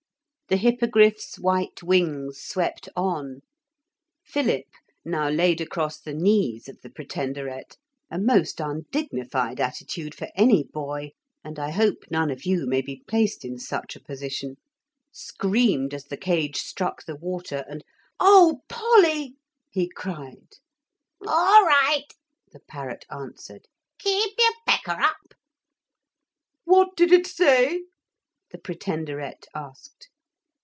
The Hippogriff's white wings swept on; Philip, now laid across the knees of the Pretenderette (a most undignified attitude for any boy, and I hope none of you may be placed in such a position), screamed as the cage struck the water, and, 'Oh, Polly!' he cried. 'All right,' the parrot answered; 'keep your pecker up!' 'What did it say?' the Pretenderette asked.